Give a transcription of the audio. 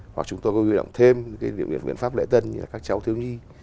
hoặc chúng tôi có huy động thêm cái biện pháp lễ tân như là các cháu thiếu nhi